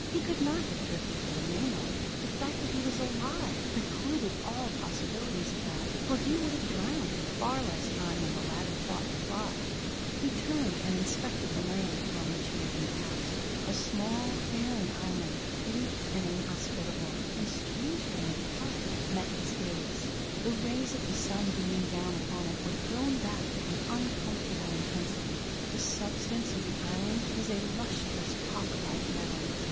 He could not have drifted to the mainland; the fact that he was alive precluded all possibilities of that, for he would have drowned in far less time than the latter thought implied. He turned and inspected the land upon which he had been cast. A small, barren island, bleak and inhospitable, and strangely metallic, met his gaze. The rays of the sun beating down upon it were thrown back with an uncomfortable intensity; the substance of the island was a lustrous, copperlike metal.